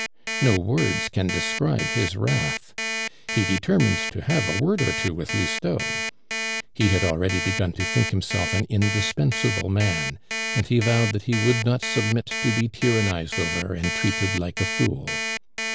No words can describe his wrath. He determined to have a word or two with Lousteau. He had already begun to think himself an indispensable man, and he vowed that he would not submit to be tyrannized over and treated like a fool.